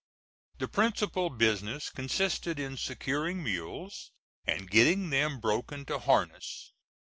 The principal business consisted in securing mules, and getting them broken to harness.